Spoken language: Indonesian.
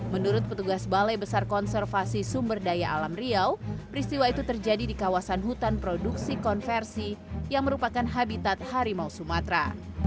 menurut petugas balai besar konservasi sumber daya alam riau peristiwa itu terjadi di kawasan hutan produksi konversi yang merupakan habitat harimau sumatera